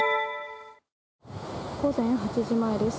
午前８時前です。